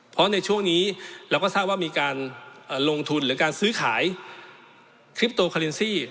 เพราะในช่วงนี้เราก็ทราบว่ามีการลงทุนหรือการซื้อขายทริปโตคาเลนซี่